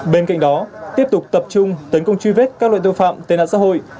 bên cạnh đó tiếp tục tập trung tấn công truy vết các loại tội phạm tên nạn xã hội